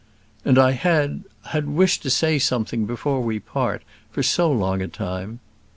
"And I had, had wished to say something before we part for so long a time.